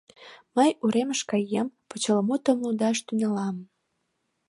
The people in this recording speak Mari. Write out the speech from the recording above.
— Мый уремыш каем, почеламутым лудаш тӱҥалам.